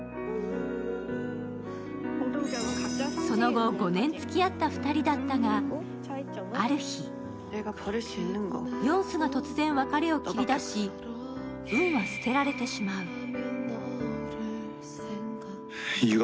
その後、５年付き合った２人だったが、ある日、ヨンスが突然別れを切り出しウンは捨てられてしまう。